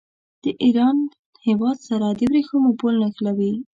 د ایران هېواد سره د ورېښمو پل نښلوي.